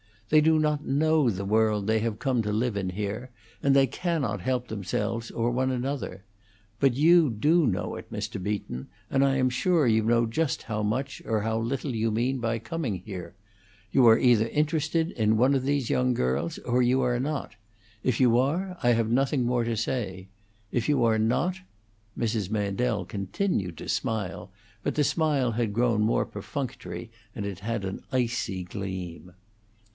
They do not know the world they have come to live in here, and they cannot help themselves or one another. But you do know it, Mr. Beaton, and I am sure you know just how much or how little you mean by coming here. You are either interested in one of these young girls or you are not. If you are, I have nothing more to say. If you are not " Mrs. Mandel continued to smile, but the smile had grown more perfunctory, and it had an icy gleam.